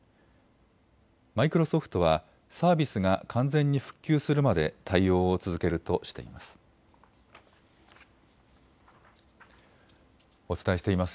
マイクロソフトはサービスが完全に復旧するまで対応を続けるとしています。